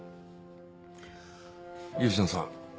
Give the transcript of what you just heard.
吉野さん